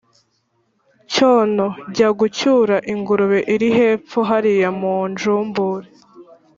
cyono jya gucyura ingurube iri hepfo hariya mu njumbure